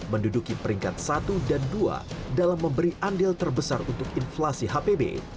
menduduki peringkat satu dan dua dalam memberi andil terbesar untuk inflasi hpb